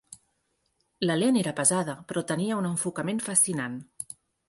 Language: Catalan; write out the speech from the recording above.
La lent era pesada, però tenia un enfocament fascinant.